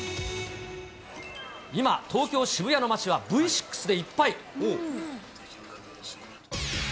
今、東京・渋谷の街はＶ６でいっぱい。